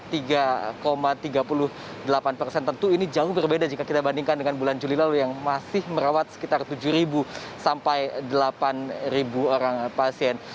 tentu ini jauh berbeda jika kita bandingkan dengan bulan juli lalu yang masih merawat sekitar tujuh sampai delapan orang pasien